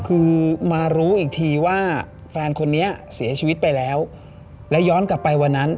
คือมารู้อีกทีว่าแฟนคนนี้เสียชีวิตไปแล้วและย้อนกลับไปวันนั้น